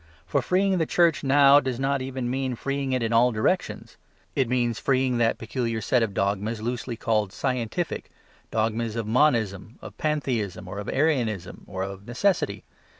For freeing the church now does not even mean freeing it in all directions. It means freeing that peculiar set of dogmas loosely called scientific, dogmas of monism, of pantheism, or of Arianism, or of necessity.